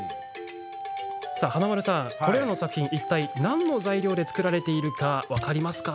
華丸さん、これらの作品いったい何の材料で作られているか分かりますか？